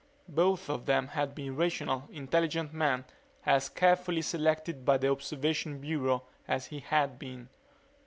Both of them had been rational, intelligent men, as carefully selected by the Observation Bureau as he had been.